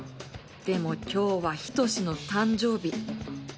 でも今日は仁の誕生日。